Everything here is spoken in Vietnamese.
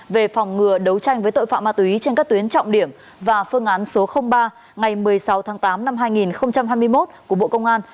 về phòng ngừa đấu tranh với tội phạm ma túy trên các tuyến trọng điểm và phương án số ba ngày một mươi sáu tháng tám năm hai nghìn hai mươi một của bộ công an